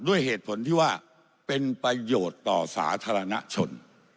ด้วยเหตุผลที่ว่าเป็นประโยชน์ต่อสาธารณชน